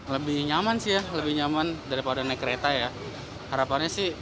lebih nyaman sih ya lebih nyaman daripada naik kereta ya harapannya sih